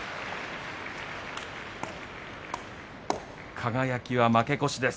輝は負け越しです。